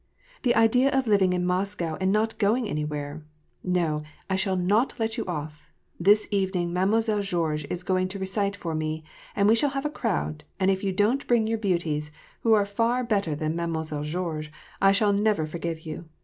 " The idea of living in Moscow and not going anywhere ! No, I shall not let you off. This evening Mademoiselle Georges is going to recite for me, and we shall have a crowd, and if you don't bring your beauties, who are far better than Mademoi selle Georges, I shall never forgive you.